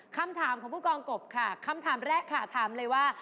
คำถามของผู้กองกบค่ะคำถามแรกค่ะถามเลยว่า